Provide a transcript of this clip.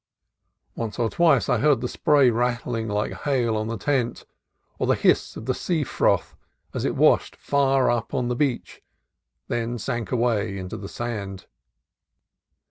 Once or twice I heard the spray rattling like hail on the tent, or the hiss of the sea froth as it washed far up on the beach and then sank away into the sand.